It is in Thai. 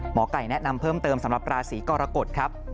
หมอไก่แนะนำเพิ่มเติมสำหรับราศีกรกฎครับ